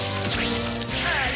あれ？